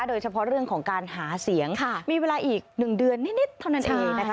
โดยเฉพาะเรื่องของการหาเสียงมีเวลาอีก๑เดือนนิดเท่านั้นเองนะคะ